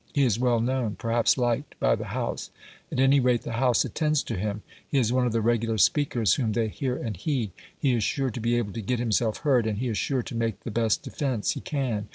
He is well known, perhaps liked, by the House at any rate the House attends to him; he is one of the regular speakers whom they hear and heed. He is sure to be able to get himself heard, and he is sure to make the best defence he can.